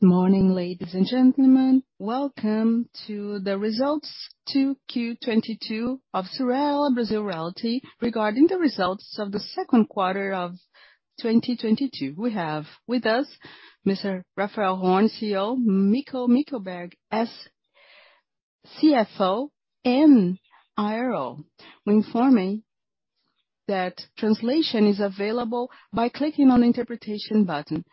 Good morning, ladies and gentlemen. Welcome to the results 2Q 2022 of Cyrela Brazil Realty. Regarding the results of the second quarter of 2022. We have with us Mr. Raphael Horn, Co-CEO, Miguel Mickelberg as CFO and IRO. We're informing that translation is available by clicking on interpretation button.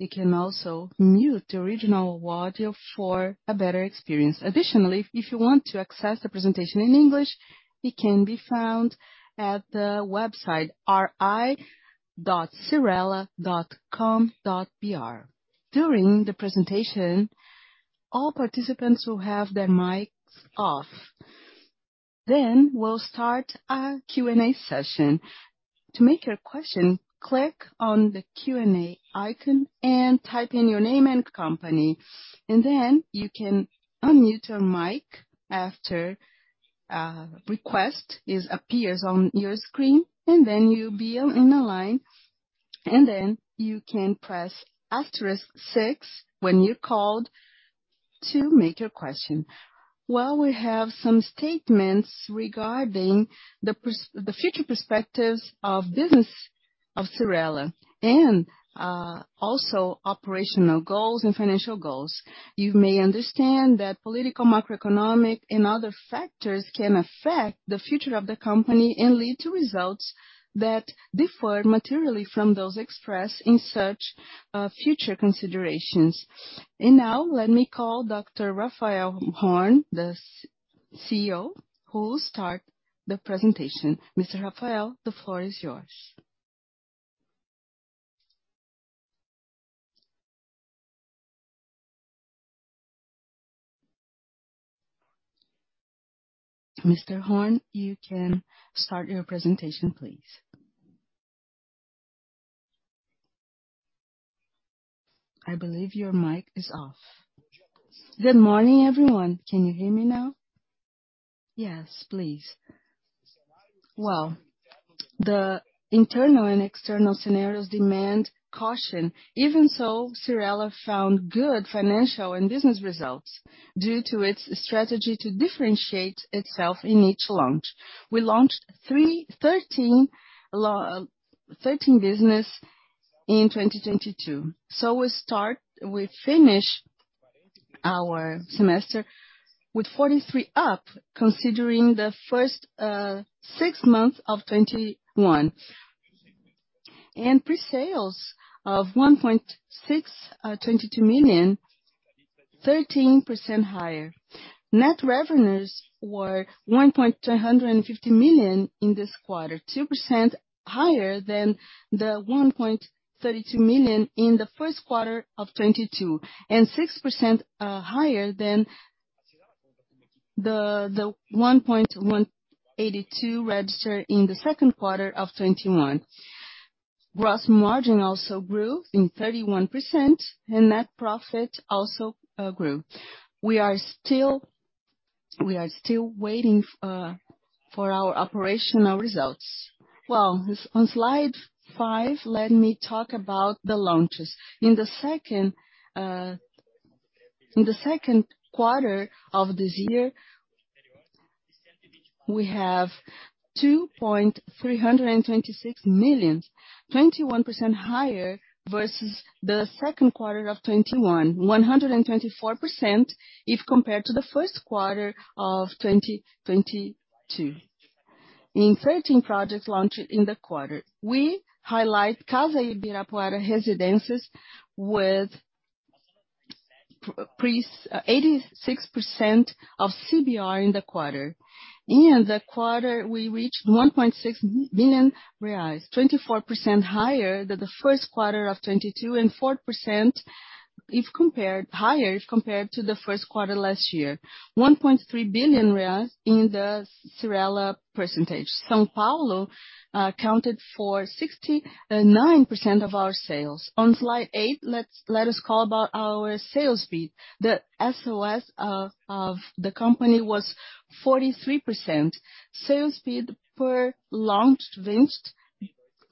You can also mute the original audio for a better experience. Additionally, if you want to access the presentation in English, it can be found at the website ri.cyrela.com.br. During the presentation, all participants will have their mics off. We'll start our Q&A session. To make your question, click on the Q&A icon and type in your name and company. You can unmute your mic after request appears on your screen, and then you'll be in a line, and then you can press asterisk six when you're called to make your question. While we have some statements regarding the future perspectives of business of Cyrela and also operational goals and financial goals, you may understand that political, macroeconomic and other factors can affect the future of the company and lead to results that differ materially from those expressed in such future considerations. Now let me call Dr. Raphael Horn, the Co-CEO, who will start the presentation. Mr. Raphael, the floor is yours. Mr. Horn, you can start your presentation, please. I believe your mic is off. Good morning, everyone. Can you hear me now? Yes, please. Well, the internal and external scenarios demand caution. Even so, Cyrela found good financial and business results due to its strategy to differentiate itself in each launch. We launched 13 business in 2022, so we start- We finish our semester with 43% up considering the first six months of 2021. Pre-sales of 1.622 million, 13% higher. Net revenues were 1.250 million in this quarter, 2% higher than the 1.32 million in the first quarter of 2022. And 6% higher than the 1.182 registered in the second quarter of 2021. Gross margin also grew 31%, and net profit also grew. We are still waiting for our operational results. Well, on slide five, let me talk about the launches. In the second quarter of this year, we have 2.326 million, 21% higher versus the second quarter of 2021. 124% if compared to the first quarter of 2022. In 13 projects launched in the quarter, we highlight Casa Ibirapuera Residences with pre-sales 86% of CBR in the quarter. In the quarter, we reached 1.6 billion reais, 24% higher than the first quarter of 2022 and 4% higher if compared to the first quarter last year. 1.3 billion reais in the Cyrela percentage. São Paulo accounted for 69% of our sales. On slide eight, let us talk about our sales speed. The SOS of the company was 43%. Sales speed per launched.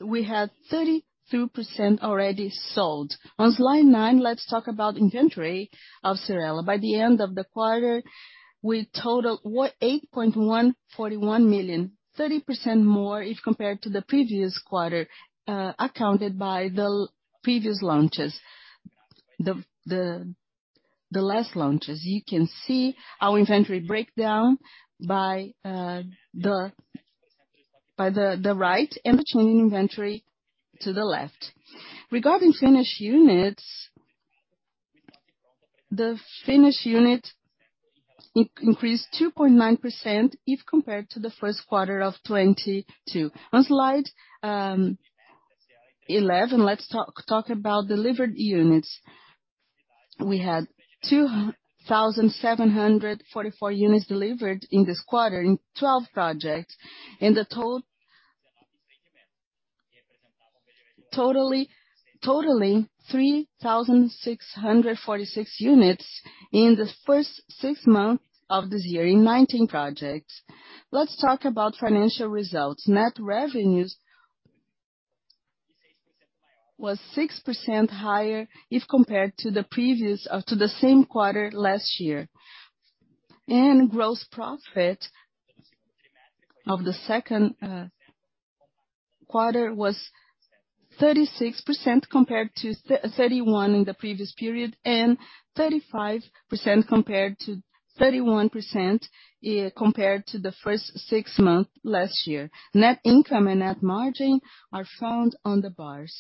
We have 32% already sold. On slide nine, let us talk about inventory of Cyrela. By the end of the quarter, we totaled 8.141 million, 30% more if compared to the previous quarter, accounted by the previous launches. The last launches. You can see our inventory breakdown by the right and between inventory to the left. Regarding finished units. The finished unit increased 2.9% if compared to the first quarter of 2022. On slide eleven, let's talk about delivered units. We had 2,744 units delivered in this quarter in 12 projects. The total, totaling 3,646 units in the first six months of this year in 19 projects. Let's talk about financial results. Net revenues was 6% higher if compared to the same quarter last year. Gross profit of the second quarter was 36% compared to 31% in the previous period, and 35% compared to 31% compared to the first six months last year. Net income and net margin are found on the bars,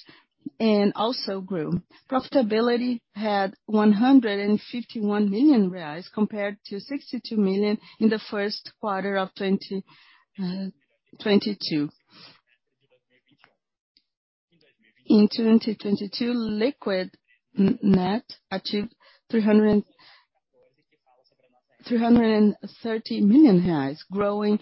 and also grew. Profitability had 151 million reais compared to 62 million in the first quarter of 2022. In 2022, liquid net achieved 330 million reais, growing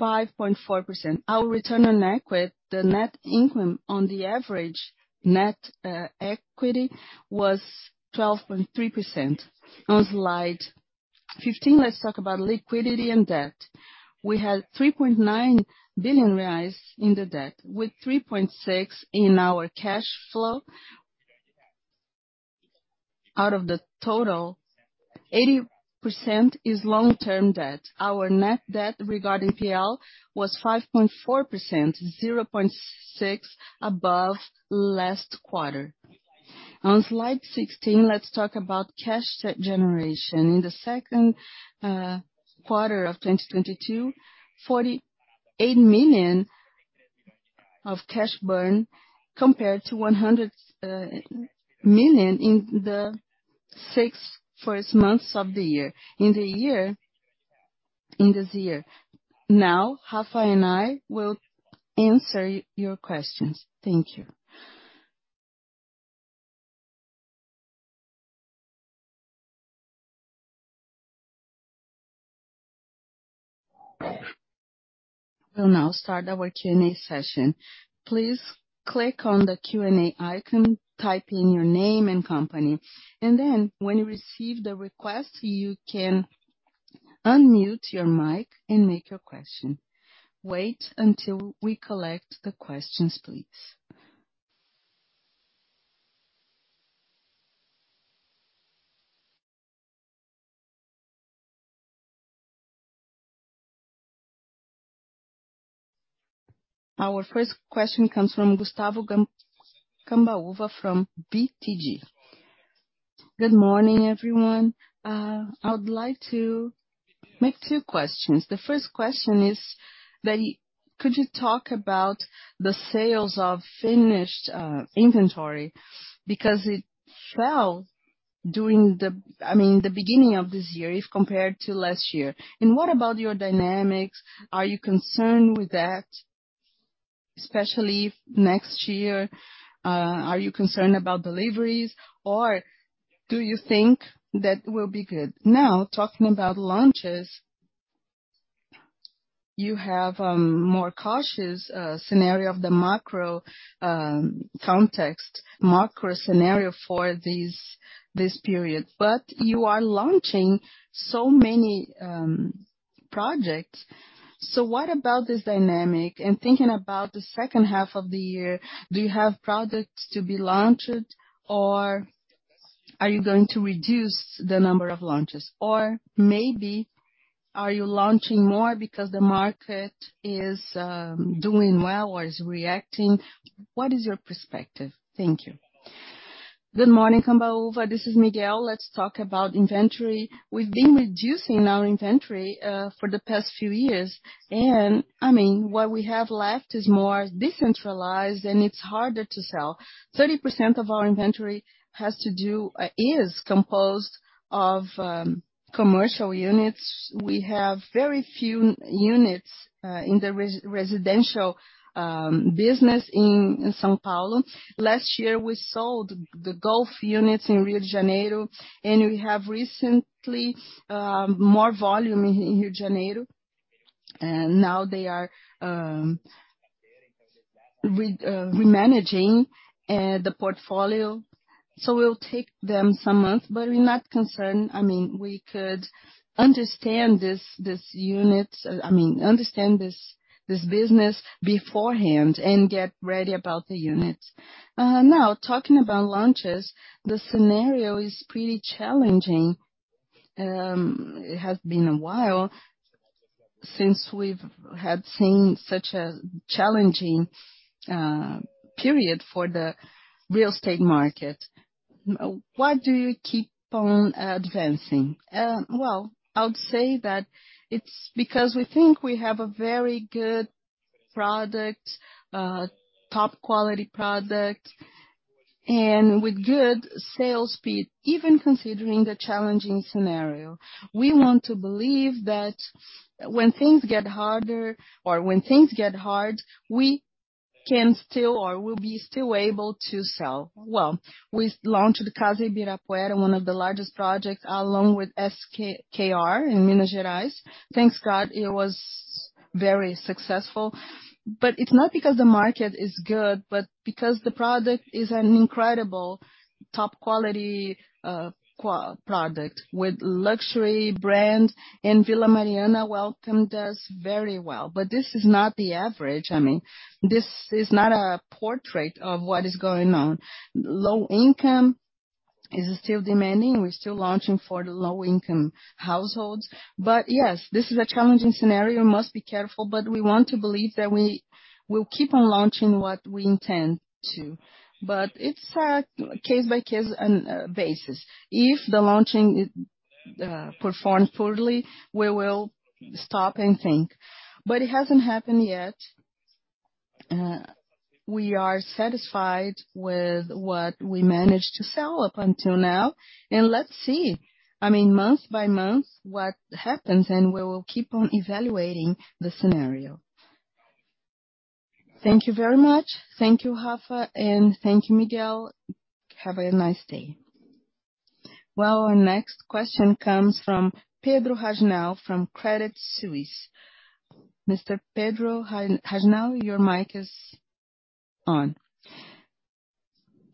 5.4%. Our return on equity, the net income on the average net equity was 12.3%. On slide 15, let's talk about liquidity and debt. We had 3.9 billion reais in the debt with 3.6 billion in our cash flow. Out of the total, 80% is long-term debt. Our net debt regarding P&L was 5.4%, 0.6% above last quarter. On slide 16, let's talk about cash generation. In the second quarter of 2022, 48 million of cash burn compared to 100 million in the first six months of this year. Now, Rafa and I will answer your questions. Thank you. We'll now start our Q&A session. Please click on the Q&A icon, type in your name and company. Then when you receive the request, you can unmute your mic and make your question. Wait until we collect the questions, please. Our first question comes from Gustavo Cambauva from BTG Pactual. Good morning, everyone. I would like to make two questions. The first question is that could you talk about the sales of finished inventory? Because it fell during the, I mean, the beginning of this year if compared to last year. What about your dynamics? Are you concerned with that, especially next year? Are you concerned about deliveries, or do you think that will be good? Now, talking about launches, you have a more cautious scenario of the macro context, macro scenario for this period. But you are launching so many projects. What about this dynamic? Thinking about the second half of the year, do you have products to be launched, or are you going to reduce the number of launches? Or maybe are you launching more because the market is doing well or is reacting? What is your perspective? Thank you. Good morning, Cambauva. This is Miguel. Let's talk about inventory. We've been reducing our inventory for the past few years. I mean, what we have left is more decentralized, and it's harder to sell. 30% of our inventory is composed of commercial units. We have very few units in the residential business in São Paulo. Last year, we sold the golf units in Rio de Janeiro, and we have recently more volume in Rio de Janeiro. Now they are re-managing the portfolio. We'll take them some months, but we're not concerned. I mean, we could understand this business beforehand and get ready about the units. Now, talking about launches, the scenario is pretty challenging. It has been a while since we've had seen such a challenging period for the real estate market. Why do you keep on advancing? Well, I would say that it's because we think we have a very good product, top quality product, and with good sales speed, even considering the challenging scenario. We want to believe that when things get harder or when things get hard, we can still or will be still able to sell. Well, we launched Casa Ibirapuera, one of the largest projects, along with SKR in Minas Gerais. Thank God, it was very successful. It's not because the market is good, but because the product is an incredible top quality product with luxury brand and Vila Mariana welcomed us very well. This is not the average. I mean, this is not a portrait of what is going on. Low income is still demanding. We're still launching for the low income households. Yes, this is a challenging scenario, must be careful, but we want to believe that we will keep on launching what we intend to. It's a case by case basis. If the launching performs poorly, we will stop and think. It hasn't happened yet. We are satisfied with what we managed to sell up until now. Let's see, I mean, month by month what happens, and we will keep on evaluating the scenario. Thank you very much. Thank you, Raphael, and thank you, Miguel. Have a nice day. Well, our next question comes from Pedro Hajnal from Credit Suisse. Mr. Pedro Hajnal, your mic is on.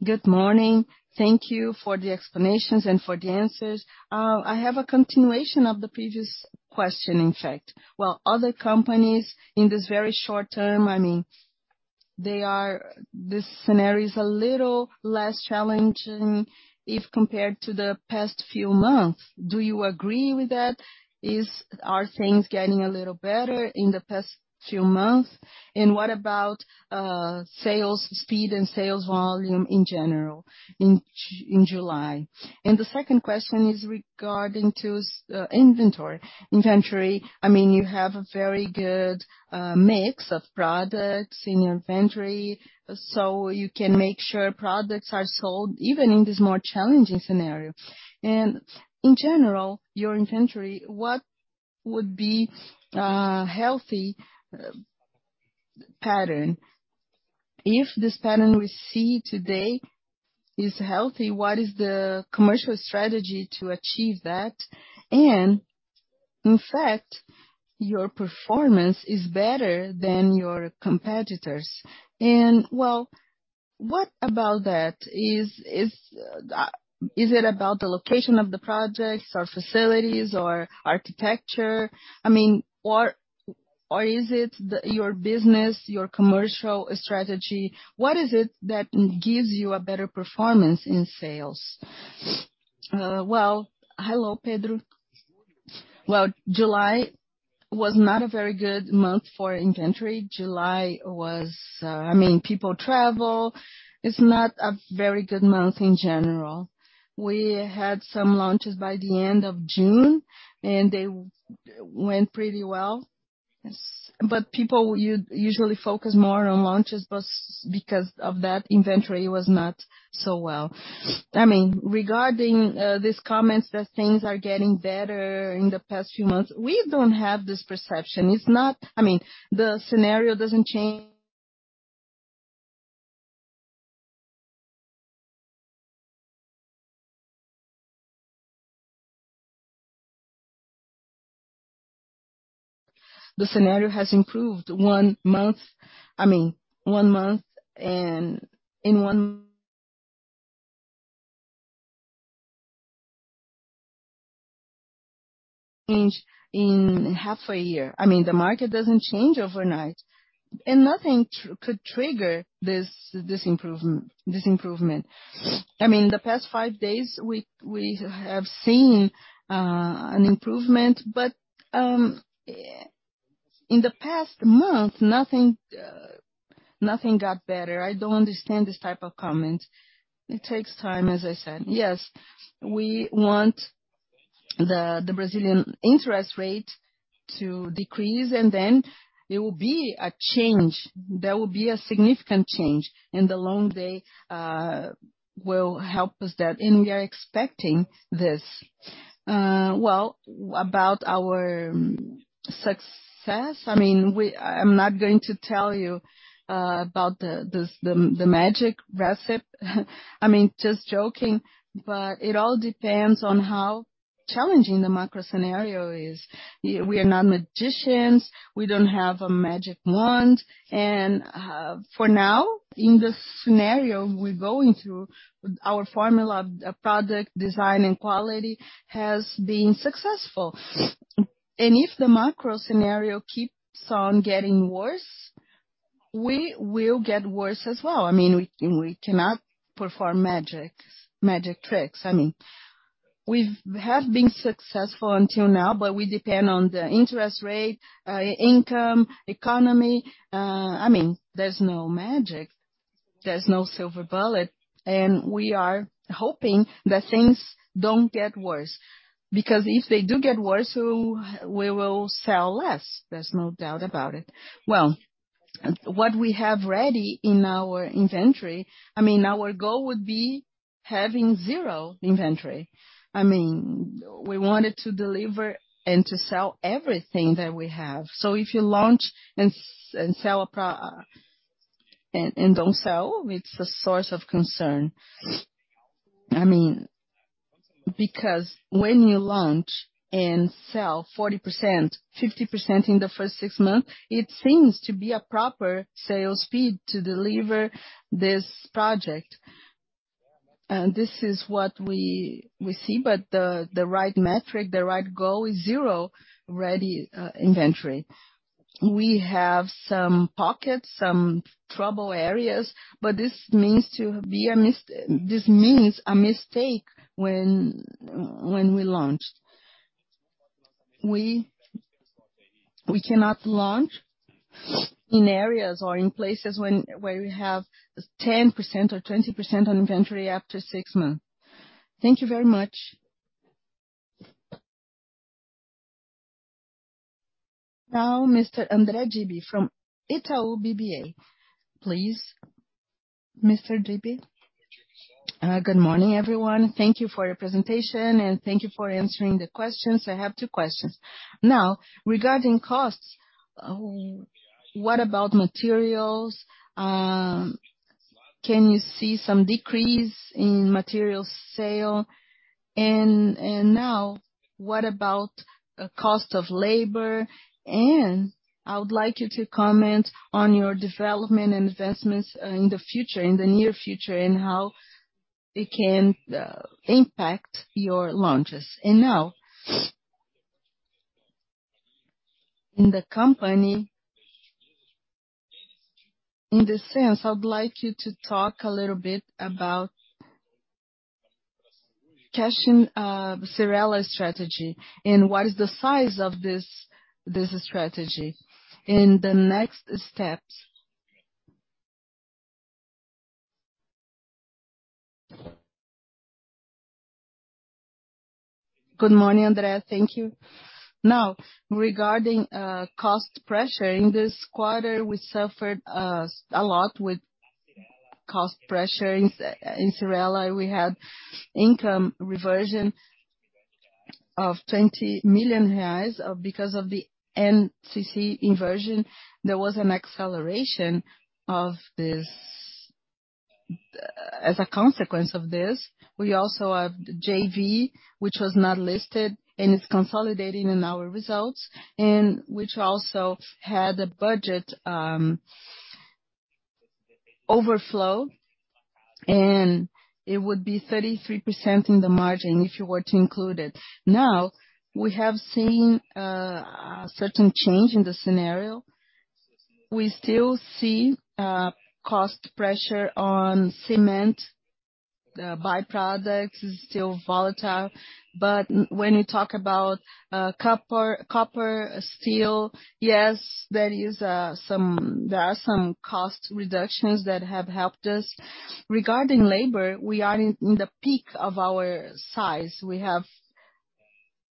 Good morning. Thank you for the explanations and for the answers. I have a continuation of the previous question, in fact. While other companies in this very short term, I mean, this scenario is a little less challenging if compared to the past few months. Do you agree with that? Are things getting a little better in the past few months? What about sales speed and sales volume in general in July? The second question is regarding to inventory. Inventory, I mean, you have a very good mix of products in your inventory, so you can make sure products are sold even in this more challenging scenario. In general, your inventory, what would be a healthy pattern? If this pattern we see today is healthy, what is the commercial strategy to achieve that? Well, what about that? Is it about the location of the projects or facilities or architecture? I mean, or is it your business, your commercial strategy? What is it that gives you a better performance in sales? Well, hello, Pedro. Well, July was not a very good month for inventory. July was, I mean, people travel. It's not a very good month in general. We had some launches by the end of June, and they went pretty well. People usually focus more on launches, but because of that inventory, it was not so well. I mean, regarding these comments that things are getting better in the past few months, we don't have this perception. It's not. I mean, the scenario doesn't change. The scenario has improved one month. I mean, one month and in one change in half a year. I mean, the market doesn't change overnight, and nothing could trigger this improvement. I mean, the past five days, we have seen an improvement. In the past month, nothing got better. I don't understand this type of comment. It takes time, as I said. Yes, we want the Brazilian interest rate to decrease, and then there will be a change. There will be a significant change, and the long end will help us that, and we are expecting this. Well, about our success, I mean, I'm not going to tell you about the magic recipe. I mean, just joking. It all depends on how challenging the macro scenario is. We are not magicians. We don't have a magic wand. For now, in this scenario we're going through, our formula, product design and quality has been successful. If the micro scenario keeps on getting worse, we will get worse as well. I mean, we cannot perform magic tricks. I mean, we have been successful until now, but we depend on the interest rate, income, economy. I mean, there's no magic, there's no silver bullet. We are hoping that things don't get worse, because if they do get worse, we will sell less. There's no doubt about it. Well, what we have ready in our inventory, I mean, our goal would be having zero inventory. I mean, we wanted to deliver and to sell everything that we have. If you launch and don't sell, it's a source of concern. I mean, because when you launch and sell 40%, 50% in the first six months, it seems to be a proper sales speed to deliver this project. This is what we see, but the right metric, the right goal is zero ready inventory. We have some pockets, some trouble areas, but this means a mistake when we launch. We cannot launch in areas or in places where we have 10% or 20% on inventory after six months. Thank you very much. Now, Mr. André Dibe from Itaú BBA. Please, Mr. Dibe. Good morning, everyone. Thank you for your presentation, and thank you for answering the questions. I have two questions. Now, regarding costs, what about materials? Can you see some decrease in steel? Now, what about the cost of labor? I would like you to comment on your development investments in the future, in the near future, and how it can impact your launches. Now in the company, in this sense, I would like you to talk a little bit about CashMe, Cyrela's strategy and what is the size of this strategy and the next steps. Good morning, André. Thank you. Now, regarding cost pressure, in this quarter, we suffered a lot with cost pressure. In Cyrela's, we had income reversion of 20 million reais because of the INCC inversion. There was an acceleration of this. As a consequence of this, we also have JV, which was not listed, and it's consolidating in our results, and which also had a budget overflow, and it would be 33% in the margin if you were to include it. Now, we have seen a certain change in the scenario. We still see cost pressure on cement. The by-products is still volatile. But when you talk about copper, steel, yes, there are some cost reductions that have helped us. Regarding labor, we are in the peak of our size. We have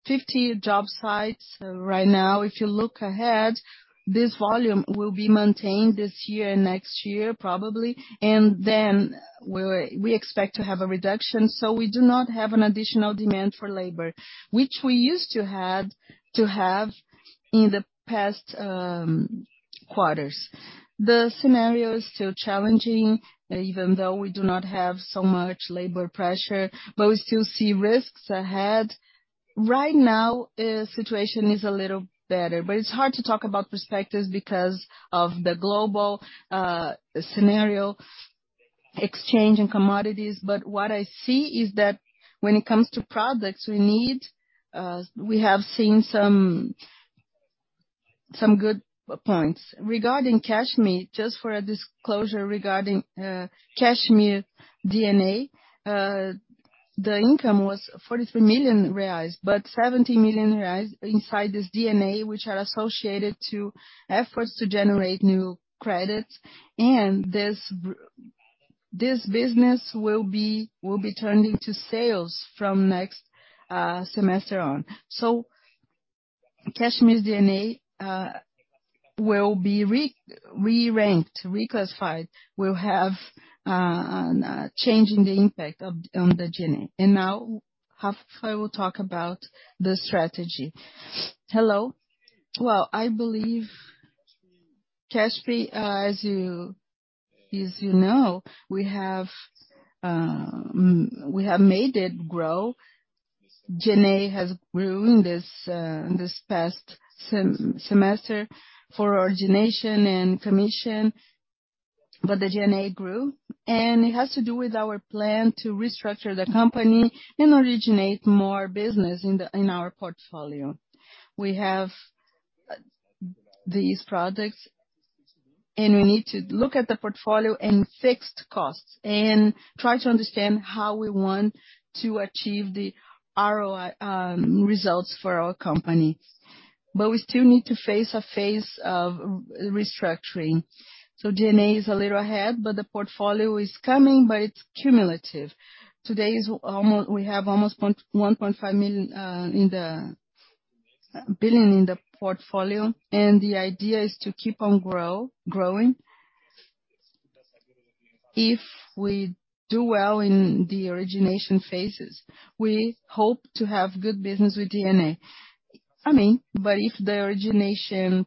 50 job sites right now. If you look ahead, this volume will be maintained this year, next year, probably. Then we expect to have a reduction. We do not have an additional demand for labor, which we used to have in the past quarters. The scenario is still challenging, even though we do not have so much labor pressure, but we still see risks ahead. Right now, situation is a little better, but it's hard to talk about perspectives because of the global scenario exchange in commodities. What I see is that when it comes to products, we have seen some good points. Regarding CashMe, just for a disclosure regarding CashMe DNA, the income was 43 million reais, but 70 million reais inside this DNA, which are associated to efforts to generate new credits. This business will be turning to sales from next semester on. CashMe's DNA will be re-ranked, reclassified. We'll have a change in the impact on the DNA. Now, Raphael will talk about the strategy. Hello. Well, I believe CashMe, as you know, we have made it grow. DNA has grown this past semester for origination and commission, but the DNA grew, and it has to do with our plan to restructure the company and originate more business in our portfolio. We have these products, and we need to look at the portfolio and fixed costs and try to understand how we want to achieve the ROI results for our company. We still need to face a phase of restructuring. DNA is a little ahead, but the portfolio is coming, but it's cumulative. We have almost 1.5 billion in the portfolio, and the idea is to keep on growing. If we do well in the origination phases, we hope to have good business with DNA. I mean, if the origination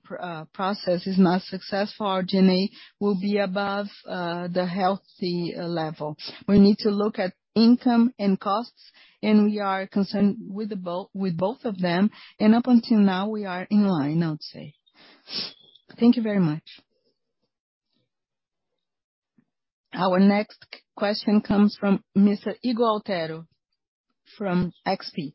process is not successful, our G&A will be above the healthy level. We need to look at income and costs, and we are concerned with both of them, and up until now we are in line, I would say. Thank you very much. Our next question comes from Mr. Ygor Altero from XP.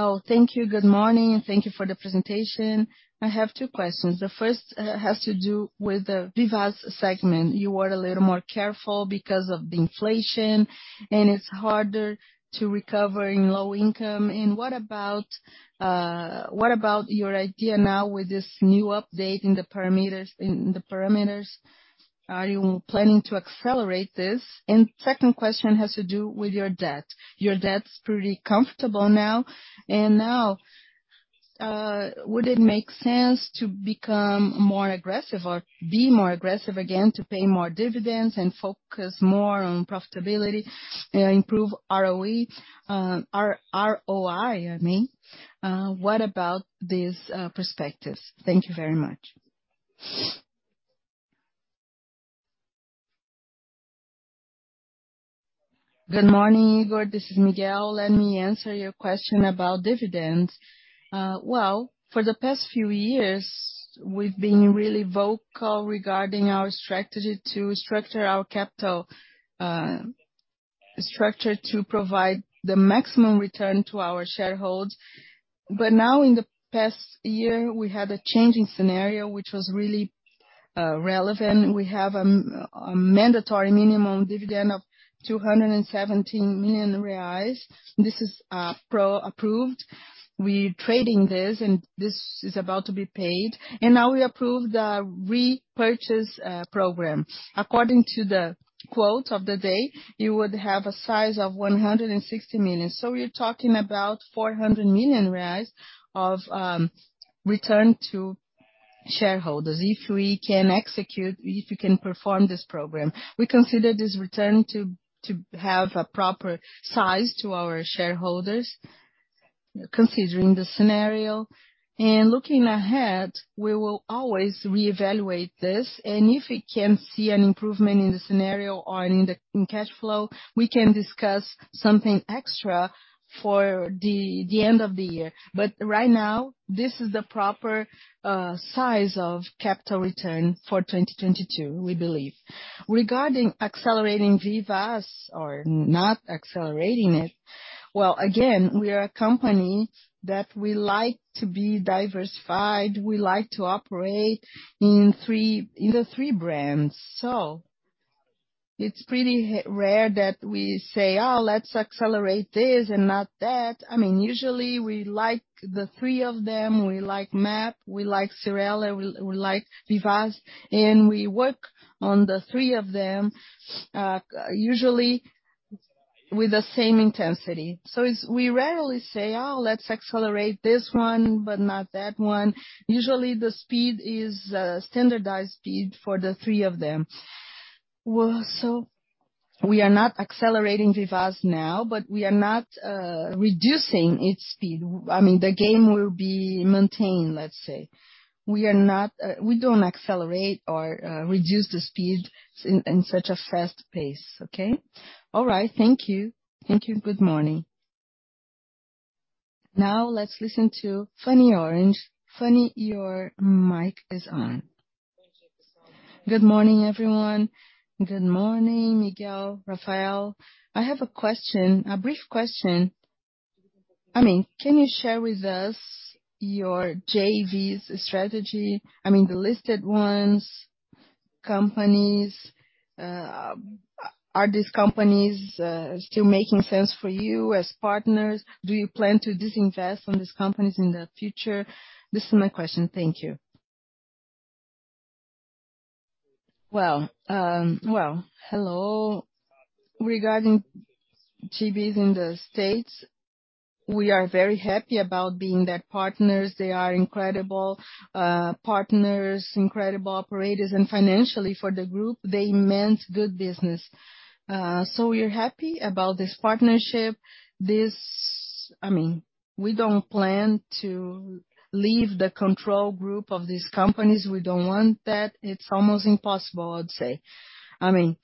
Oh, thank you. Good morning, and thank you for the presentation. I have two questions. The first has to do with the Vivaz segment. You were a little more careful because of the inflation, and it's harder to recover in low income. What about your idea now with this new update in the parameters? Are you planning to accelerate this? Second question has to do with your debt. Your debt's pretty comfortable now. Would it make sense to become more aggressive or be more aggressive again to pay more dividends and focus more on profitability and improve ROE? ROI, I mean. What about these perspectives? Thank you very much. Good morning, Ygor. This is Miguel. Let me answer your question about dividends. Well, for the past few years we've been really vocal regarding our strategy to structure our capital structure to provide the maximum return to our shareholders. Now in the past year, we had a changing scenario, which was really relevant. We have a mandatory minimum dividend of 217 million reais. This is pre-approved. We're trading this, and this is about to be paid. We approve the repurchase program. According to the quote of the day, you would have a size of 160 million. We're talking about 400 million reais of return to shareholders if we can execute, if we can perform this program. We consider this return to have a proper size to our shareholders considering the scenario. We will always reevaluate this, and if we can see an improvement in the scenario or in the cash flow, we can discuss something extra for the end of the year. Right now, this is the proper size of capital return for 2022, we believe. Regarding accelerating Vivaz or not accelerating it, well, again, we are a company that we like to be diversified. We like to operate in three, in the three brands. It's pretty rare that we say, "Oh, let's accelerate this and not that." I mean, usually we like the three of them. We like MAP, we like Cyrela, we like Vivaz, and we work on the three of them, usually with the same intensity. We rarely say, "Oh, let's accelerate this one, but not that one." Usually the speed is a standardized speed for the three of them. Well, we are not accelerating Vivaz now, but we are not reducing its speed. I mean, the gain will be maintained, let's say. We don't accelerate or reduce the speed in such a fast pace, okay? All right. Thank you. Good morning. Now let's listen to Fanny Oreng. Fanny, your mic is on. Thank you. Good morning, everyone. Good morning, Miguel, Raphael. I have a question, a brief question. I mean, can you share with us your JVs strategy, I mean the listed ones, companies? Are these companies still making sense for you as partners? Do you plan to disinvest in these companies in the future? This is my question. Thank you. Well, hello. Regarding JVs in the States, we are very happy about being their partners. They are incredible partners, incredible operators. And financially, for the group, they meant good business. So we're happy about this partnership. I mean, we don't plan to leave the control group of these companies. We don't want that. It's almost impossible, I'd say. I mean,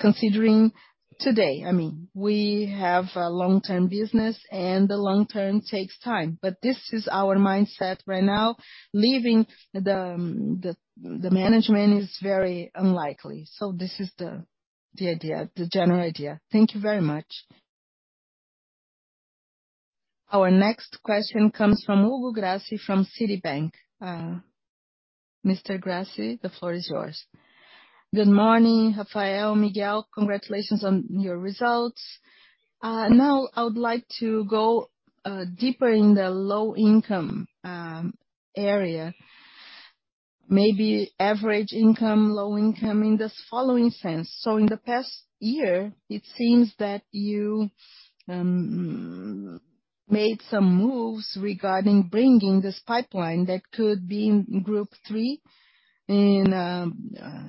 considering today, I mean, we have a long-term business, and the long term takes time. This is our mindset right now. Leaving the management is very unlikely. This is the idea, the general idea. Thank you very much. Our next question comes from Hugo Grassi from Citibank. Mr. Grassi, the floor is yours. Good morning, Raphael, Miguel. Congratulations on your results. Now I would like to go deeper in the low-income area. Maybe average income, low income in this following sense. In the past year, it seems that you made some moves regarding bringing this pipeline that could be in group three in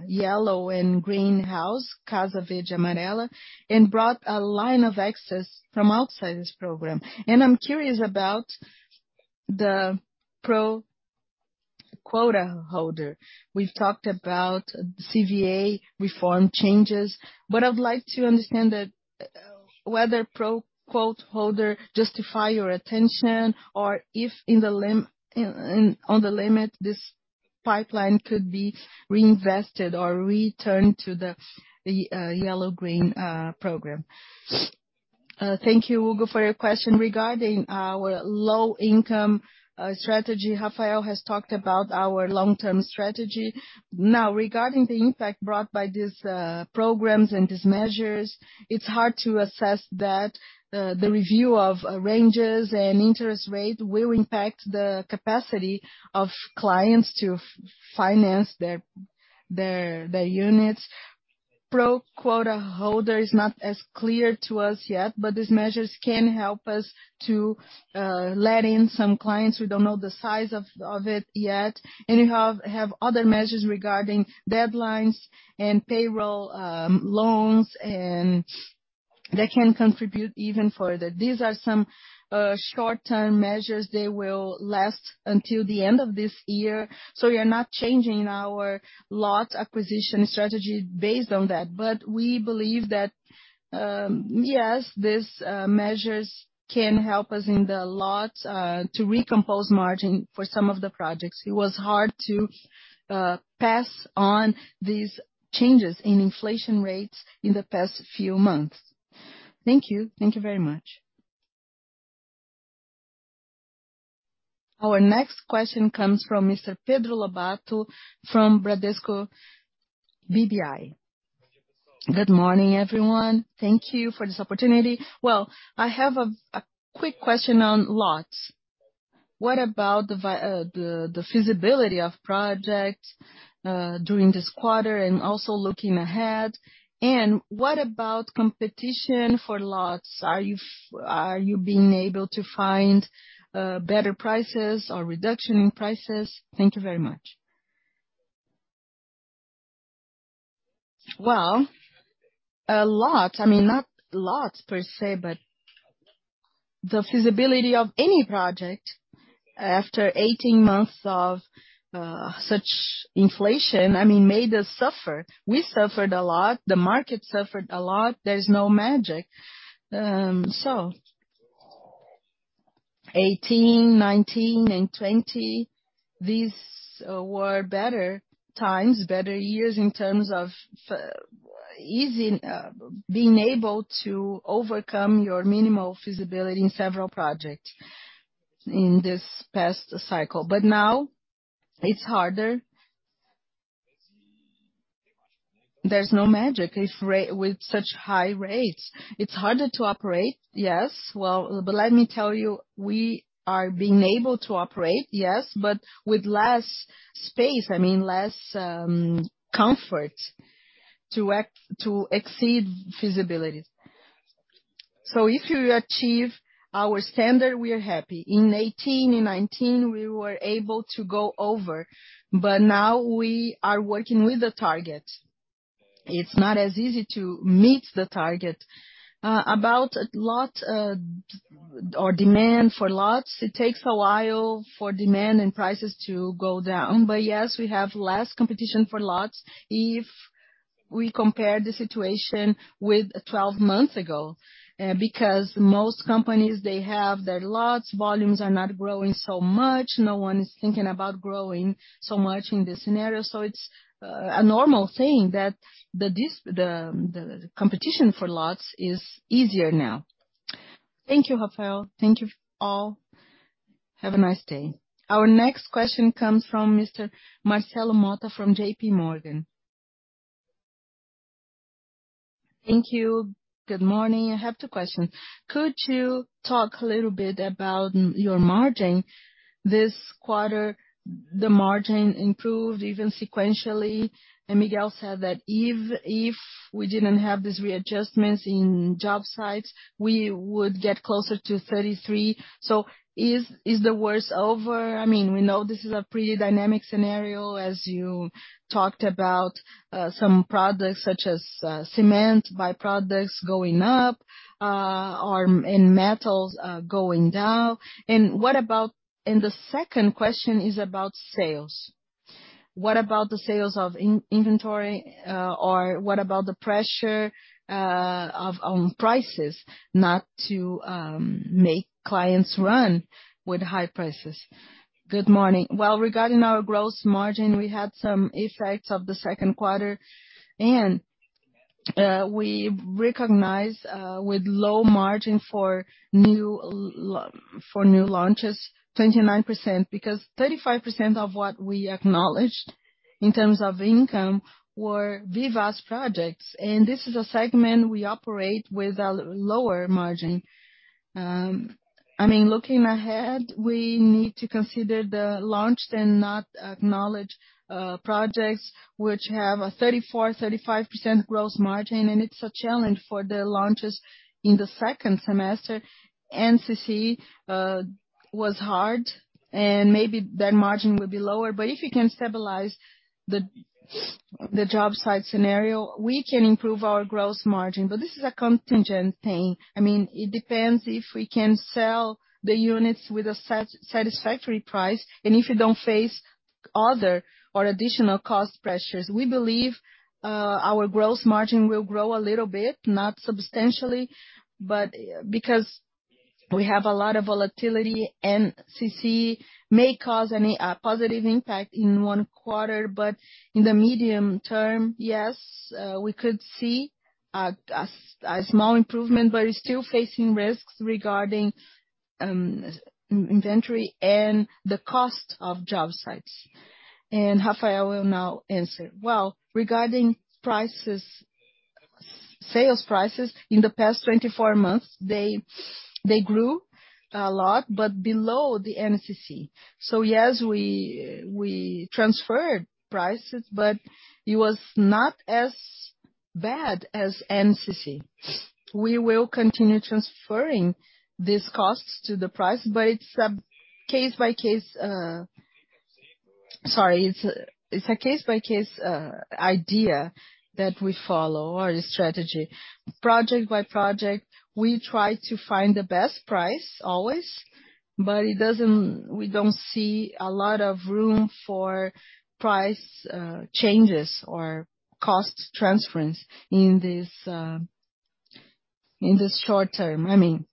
yellow and green house, Casa Verde e Amarela, and brought a line of access from outside this program. I'm curious about the pro-quota holder. We've talked about CVA reform changes, but I'd like to understand that whether pro-quota holder justifies your attention or if in the limit this pipeline could be reinvested or returned to the Casa Verde e Amarela program. Thank you, Hugo, for your question regarding our low-income strategy. Raphael has talked about our long-term strategy. Now, regarding the impact brought by these programs and these measures, it's hard to assess that the review of ranges and interest rate will impact the capacity of clients to finance their units. Pro-quota holder is not as clear to us yet, but these measures can help us to let in some clients. We don't know the size of it yet. You have other measures regarding deadlines and payroll loans and that can contribute even further. These are some short-term measures. They will last until the end of this year, so we are not changing our lot acquisition strategy based on that. We believe that, yes, these measures can help us in the lot to recompose margin for some of the projects. It was hard to pass on these changes in inflation rates in the past few months. Thank you. Thank you very much. Our next question comes from Mr. Pedro Lobato from Bradesco BBI. Good morning, everyone. Thank you for this opportunity. Well, I have a quick question on lots. What about the feasibility of projects during this quarter and also looking ahead? And what about competition for lots? Are you being able to find better prices or reduction in prices? Thank you very much. Well, a lot. I mean, not lots per se, but the feasibility of any project after 18 months of such inflation made us suffer. We suffered a lot. The market suffered a lot. There's no magic. 2018, 2019 and 2020, these were better times, better years in terms of easy being able to overcome your minimal feasibility in several projects in this past cycle. Now it's harder. There's no magic with such high rates. It's harder to operate, yes. Well, but let me tell you, we are being able to operate, yes, but with less space, I mean less comfort to exceed feasibilities. If you achieve our standard, we are happy. In 2018, in 2019, we were able to go over, but now we are working with the target. It's not as easy to meet the target. About lot or demand for lots, it takes a while for demand and prices to go down. Yes, we have less competition for lots if we compare the situation with 12 months ago. Because most companies, they have their lots, volumes are not growing so much. No one is thinking about growing so much in this scenario. It's a normal thing that the competition for lots is easier now. Thank you, Raphael. Thank you all. Have a nice day. Our next question comes from Mr. Marcelo Motta from JPMorgan. Thank you. Good morning. I have two questions. Could you talk a little bit about your margin? This quarter, the margin improved even sequentially. Miguel said that if we didn't have these readjustments in job sites, we would get closer to 33%. Is the worst over? I mean, we know this is a pretty dynamic scenario as you talked about, some products such as, cement byproducts going up, or and metals going down. What about the second question is about sales. What about the sales of inventory, or what about the pressure on prices not to make clients run with high prices? Good morning. Well, regarding our gross margin, we had some effects of the second quarter, and we recognize with low margin for new launches, 29%. Because 35% of what we acknowledged in terms of income were Vivaz projects, and this is a segment we operate with a lower margin. I mean, looking ahead, we need to consider the launched and not acknowledged projects which have a 34%-35% gross margin, and it's a challenge for the launches in the second semester. INCC was hard and maybe that margin will be lower. If you can stabilize the job site scenario, we can improve our gross margin, but this is a contingent thing. I mean, it depends if we can sell the units with a satisfactory price, and if you don't face other or additional cost pressures. We believe our gross margin will grow a little bit, not substantially, but because we have a lot of volatility, INCC may cause any positive impact in one quarter, but in the medium term, yes, we could see a small improvement, but we're still facing risks regarding inventory and the cost of job sites. Raphael will now answer. Well, regarding prices, sales prices, in the past 24 months, they grew a lot, but below the INCC. Yes, we transferred prices, but it was not as bad as INCC. We will continue transferring these costs to the price, but it's a case by case idea that we follow or a strategy. Project by project, we try to find the best price always, but we don't see a lot of room for price changes or cost transference in this short term. I mean,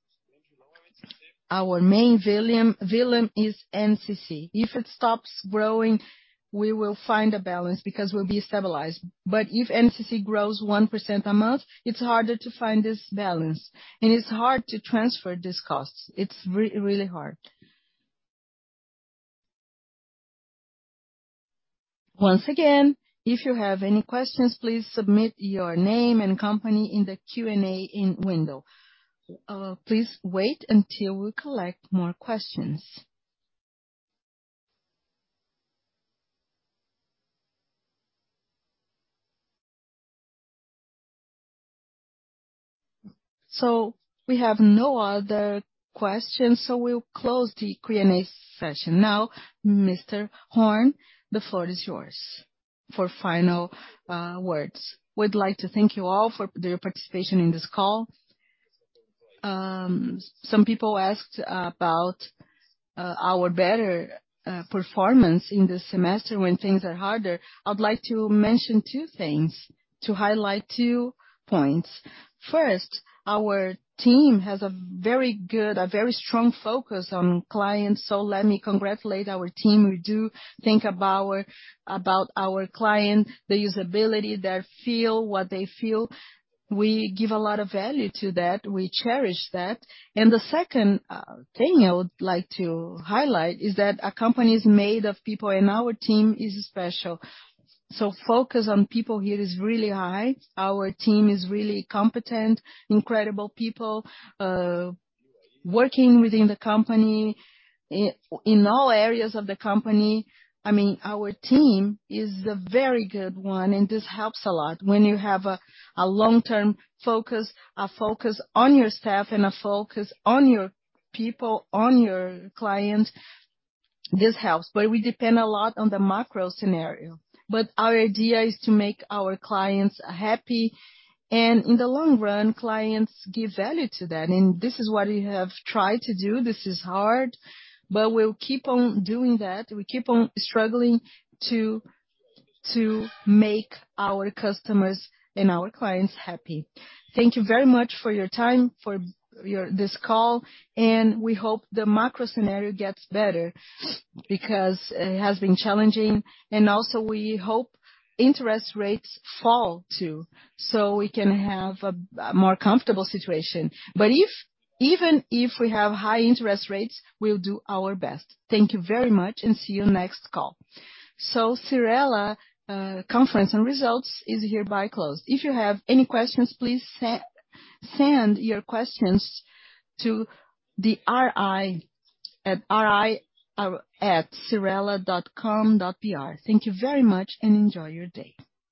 our main villain is INCC. If it stops growing, we will find a balance because we'll be stabilized. But if INCC grows 1% a month, it's harder to find this balance, and it's hard to transfer these costs. It's really hard. Once again, if you have any questions, please submit your name and company in the Q&A window. Please wait until we collect more questions. We have no other questions, so we'll close the Q&A session now. Mr. Horn, the floor is yours for final words. We'd like to thank you all for your participation in this call. Some people asked about our better performance in this semester when things are harder. I would like to mention two things, to highlight two points. First, our team has a very strong focus on clients. Let me congratulate our team. We do think about our client, the usability, their feel, what they feel. We give a lot of value to that. We cherish that. The second thing I would like to highlight is that a company is made of people, and our team is special. Focus on people here is really high. Our team is really competent, incredible people working within the company in all areas of the company. I mean, our team is the very good one, and this helps a lot when you have a long-term focus, a focus on your staff and a focus on your people, on your clients. This helps. We depend a lot on the macro scenario. Our idea is to make our clients happy. In the long run, clients give value to that. This is what we have tried to do. This is hard, but we'll keep on doing that. We keep on struggling to make our customers and our clients happy. Thank you very much for your time, for this call. We hope the macro scenario gets better because it has been challenging. Also, we hope interest rates fall too, so we can have a more comfortable situation. Even if we have high interest rates, we'll do our best. Thank you very much and see you next call. Cyrela conference and results is hereby closed. If you have any questions, please send your questions to the RI at ri@cyrela.com.br. Thank you very much, and enjoy your day.